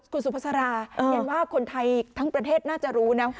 คุณสุภาษาเรียนว่าคนไทยทั้งประเทศน่าจะรู้นะ